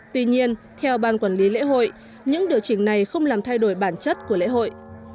tuy nhiên theo ban quản lý lễ hội những điều chỉnh này không làm thay đổi bản chất của lễ hội